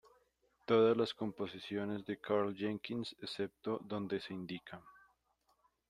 Todas las composiciones de Karl Jenkins excepto donde se indica.